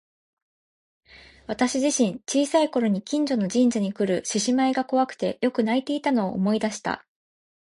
私自身、小さい頃に近所の神社にくる獅子舞が怖くてよく泣いていたのを思い出した。